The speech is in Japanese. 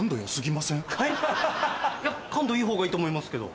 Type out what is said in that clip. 感度いい方がいいと思いますけど。